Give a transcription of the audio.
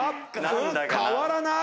変わらない！